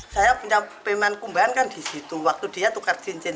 saya punya pemen kumbahan kan di situ waktu dia tukar cincin